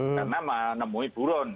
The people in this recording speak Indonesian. karena menemui burun